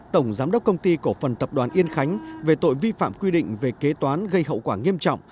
tổng giám đốc công ty cổ phần tập đoàn yên khánh về tội vi phạm quy định về kế toán gây hậu quả nghiêm trọng